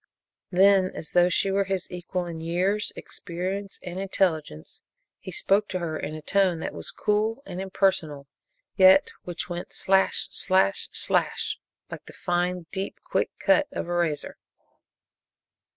Then, as though she were his equal in years, experience and intelligence, he spoke to her in a tone that was cool and impersonal, yet which went slash! slash! slash! like the fine, deep, quick cut of a razor.